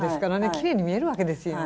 きれいに見えるわけですよ。